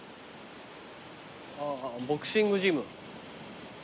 あボクシングジム。